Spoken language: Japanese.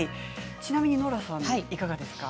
ちなみにノラさんはどうですか。